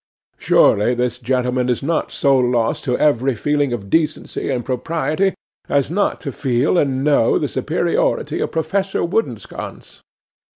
Surely this gentleman is not so lost to every feeling of decency and propriety as not to feel and know the superiority of Professor Woodensconce?